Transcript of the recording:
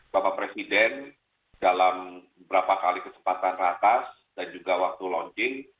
bapak presiden dalam beberapa kali kesempatan ratas dan juga waktu launching